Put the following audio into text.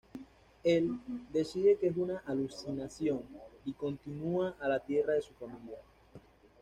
Él decide que es una alucinación, y continúa a la tierra de su familia.